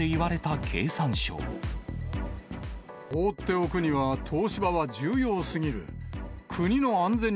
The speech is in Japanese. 放っておくには、東芝は重要すぎる。